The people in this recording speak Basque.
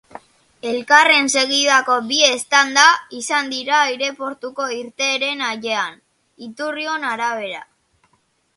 Elkarren segidako bi eztanda izan dira aireportuko irteeren hallean, iturrion arabera.